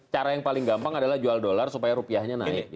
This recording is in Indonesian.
cara yang paling gampang adalah jual dolar supaya rupiahnya naik